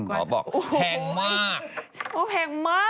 พ่อบอกแพงมาก